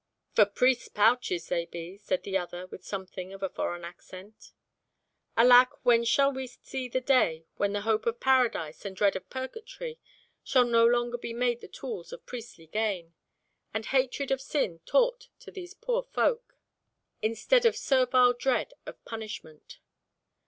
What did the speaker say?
"For priests' pouches, they be," said the other, with something of a foreign accent. "Alack, when shall we see the day when the hope of paradise and dread of purgatory shall be no longer made the tools of priestly gain; and hatred of sin taught to these poor folk, instead of servile dread of punishment."